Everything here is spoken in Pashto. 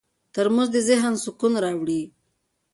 ترموز د ذهن سکون راوړي.